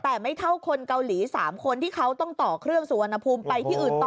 แต่ไม่เท่าคนเกาหลี๓คนที่เขาต้องต่อเครื่องสุวรรณภูมิไปที่อื่นต่อ